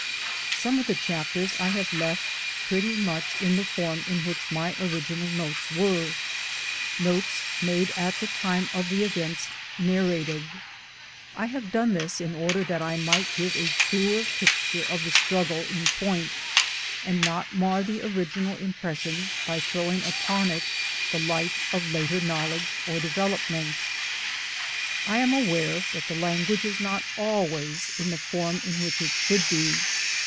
Some of the chapters I have left pretty much in the form in which my original notes were, notes made at the time of the events narrated; I have done this in order that I might give a truer pic ture of the struggle in point and not mar the original impression by throwing upon it the light of later knowledge or development. I am aware that the language is not always in the form in which it should be.